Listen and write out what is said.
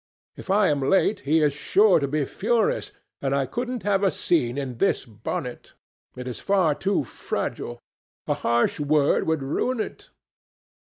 If I am late he is sure to be furious, and I couldn't have a scene in this bonnet. It is far too fragile. A harsh word would ruin it.